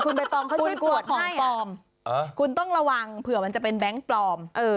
คุณไปตรวจของปลอมคุณต้องระวังเผื่อมันจะเป็นแบงค์ปลอม